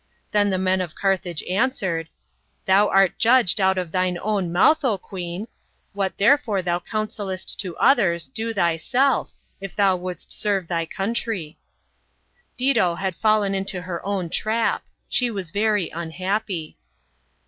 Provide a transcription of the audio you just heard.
Then thb men of Carthage answered "Thou art judged out of thine own mouth, queep. What therefore thou eounsellest to others, do thyself if thou wtmldst serve thy country." * Divj.o*Ilad Mien into her own trap. She was very unhappy.